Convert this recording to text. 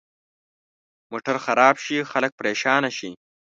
موټر خراب شي، خلک پرېشانه شي.